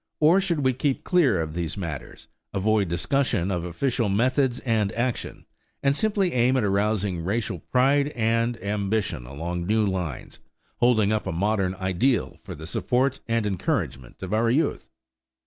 Or should we keep clear of these matters, avoid discussion of official methods and action, and simply aim at arousing racial pride and ambition along new lines, holding up a modern ideal for the support and encouragement of our youth?